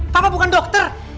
papa bukan dokter